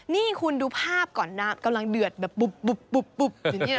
นี่คุณดูภาพก่อนนะกำลังเดือดแบบปุ๊บ